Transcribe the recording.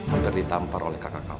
agar ditampar oleh kakak kamu